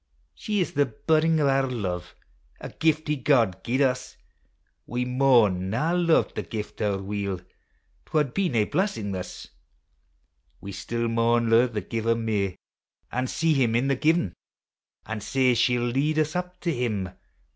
She is the buddin' o' our hive, A giftie God gied us: We maun mi luve the gift owre weel, 'T wad be nae blessing thus. We still maun lo'e the Giver mair An' see Him in the given; An' sae she '11 lead us up to Him.